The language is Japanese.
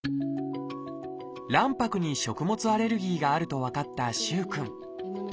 卵白に食物アレルギーがあると分かった萩くん。